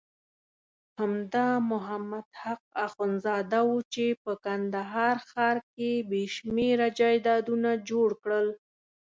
همدا محمد حق اخندزاده وو چې په کندهار ښار کې بېشمېره جایدادونه جوړ کړل.